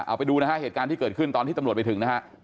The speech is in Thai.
เอาไปดูนะฮะเหตุการณ์ที่เกิดขึ้นตอนที่ตำรวจไปถึงนะฮะ